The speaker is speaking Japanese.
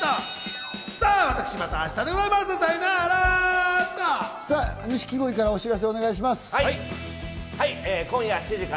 私はまた明日でございます、さいなら！